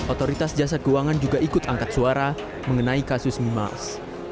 otoritas jasa keuangan juga ikut angkat suara mengenai kasus memiles